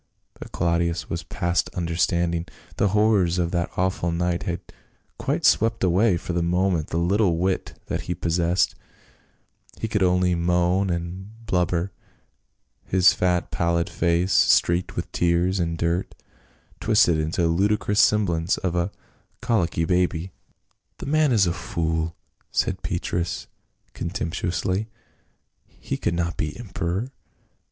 But Claudius was past understanding, the horrors of that awful night had quite swept away for the moment the little wit that he possessed. He could INTERREGNUM. 207 only moan and blubber, his fat pallid face, streaked with tears and dirt, twisted into a ludicrous semblance of a colicky baby's. "The man is a fool !" said Petrus contemptuously. " He could not be emperor."